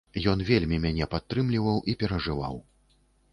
Ён вельмі мяне падтрымліваў і перажываў.